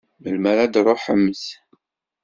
Melmi ara d-truḥemt?